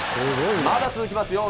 まだ続きますよ。